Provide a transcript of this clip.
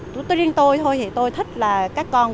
tuy nhiên tôi thôi thì tôi thích là các con